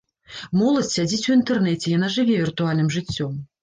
Моладзь сядзіць у інтэрнэце, яна жыве віртуальным жыццём.